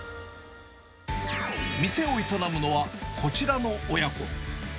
店を営むのは、こちらの親子。